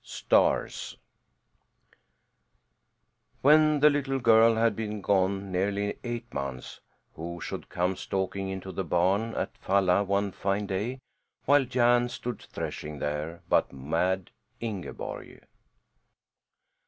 STARS When the little girl had been gone nearly eight months, who should come stalking into the barn at Falla one fine day, while Jan stood threshing there, but Mad Ingeborg!